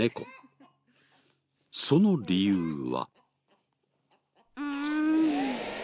その理由は。